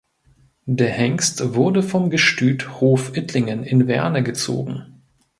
Der Hengst wurde vom Gestüt Hof Ittlingen in Werne gezogen.